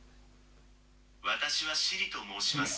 私はシリィと申します。